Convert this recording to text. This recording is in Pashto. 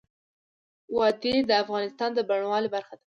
وادي د افغانستان د بڼوالۍ برخه ده.